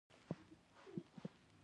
نو هغه نشي کولای چې کاري ځواک ولري